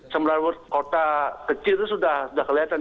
sembilan kota kecil itu sudah kelihatan